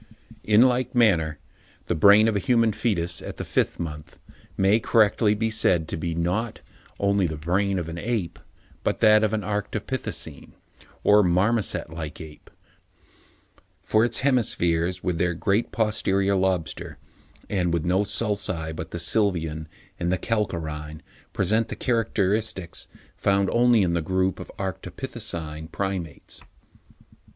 In like manner, the brain of a human foetus, at the fifth month, may correctly be said to be, not only the brain of an ape, but that of an Arctopithecine or marmoset like ape; for its hemispheres, with their great posterior lobster, and with no sulci but the sylvian and the calcarine, present the characteristics found only in the group of the Arctopithecine Primates.